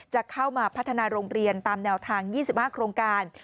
จะเข้ามาพัฒนาโรงเรียนตามแนวทาง๒๕โครงการ